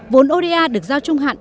vốn oda được giao trung hạn